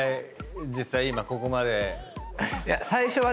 実際今ここまで。